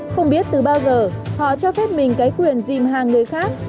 không biết từ bao giờ họ cho phép mình cái quyền dìm hàng người khác